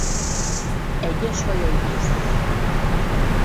Egyes fajai éjszaka nyílnak.